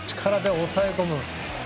力で抑え込む。